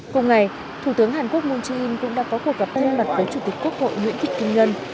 cùng ngày thủ tướng hàn quốc moon jae in cũng đã có cuộc gặp thêm mặt với chủ tịch quốc hội nguyễn thị kinh ngân